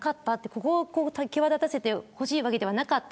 ここを際立たせてほしいわけではなかった。